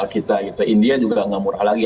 kita india juga tidak murah lagi